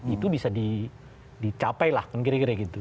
itu bisa dicapai lah kan kira kira gitu